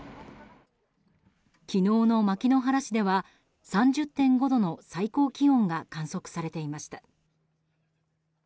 昨日の牧之原市では３０．５度の最高気温が観測されていました。